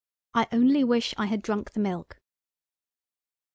I only wish I had drunk the milk."